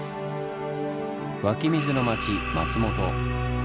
湧き水の町松本。